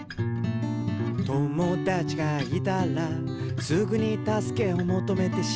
「友だちがいたらすぐにたすけをもとめてしまう」